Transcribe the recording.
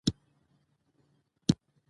چې تۀ وائې خدائے د وخت نه بهر دے